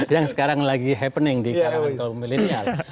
yang sekarang lagi happening di kalangan kaum milenial